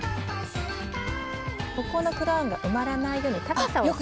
ここのクラウンが埋まらないように高さをそろえる。